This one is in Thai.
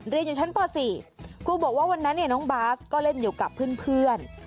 เรียนอยู่ชั้นป๔ครูบอกว่าวันนั้นน้องบาสก็เล่นอยู่กับเพื่อน